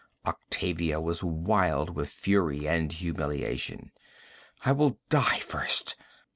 Octavia was wild with fury and humiliation. 'I will die first!'